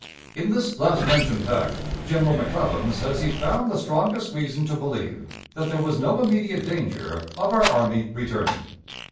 In this last mentioned fact, General McClellan says he found the strongest reason to believe that there was no immediate danger of our army returning.